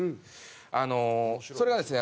あのそれがですね